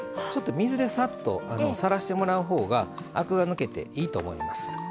水でさっとさらしてもらうほうがアクがぬけていいと思います。